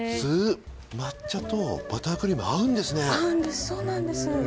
抹茶とバタークリーム合うんですね。